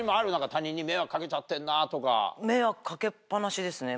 他人に迷惑かけちゃってんなとか。